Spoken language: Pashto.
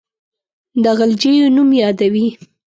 د غلجیو نوم یادوي.